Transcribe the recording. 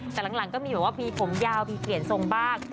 แต่หลังก็มีแบบว่ามีผมยาวมีเปลี่ยนทรงบ้าง